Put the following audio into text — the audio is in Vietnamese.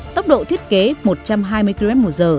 tốc độ thiết kế một trăm hai mươi kmh